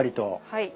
はい。